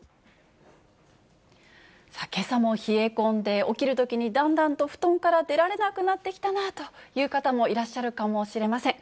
けさも冷え込んで、起きるときにだんだんと布団から出られなくなってきたなという方もいらっしゃるかもしれません。